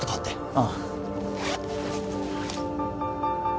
ああ。